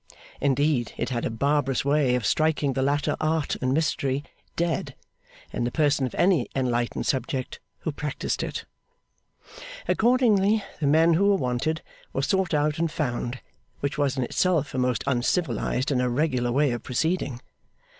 Indeed it had a barbarous way of striking the latter art and mystery dead, in the person of any enlightened subject who practised it. Accordingly, the men who were wanted were sought out and found; which was in itself a most uncivilised and irregular way of proceeding.